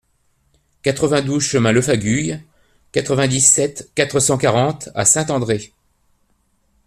quatre-vingt-douze chemin Lefaguyes, quatre-vingt-dix-sept, quatre cent quarante à Saint-André